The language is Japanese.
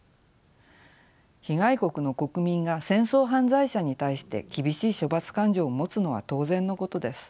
被害国の国民が戦争犯罪者に対して厳しい処罰感情を持つのは当然のことです。